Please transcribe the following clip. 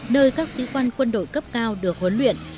nơi các sĩ quan quân đội cấp cao được huấn luyện